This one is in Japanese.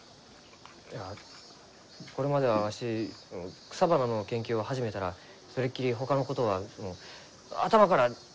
いやこれまではわし草花の研究を始めたらそれっきりほかのことは頭から全部かき消えました。